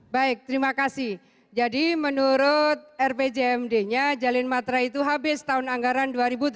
baik terima kasih jadi menurut rpjmd nya jalin matra itu habis tahun anggaran dua ribu tujuh belas